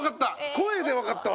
声でわかったわ。